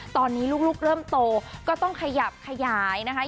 ตอนนี้ลูกเริ่มโตก็ต้องขยับขยายนะคะ